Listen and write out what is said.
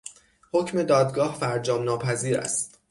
حکم دادگاه فرجام ناپذیر است.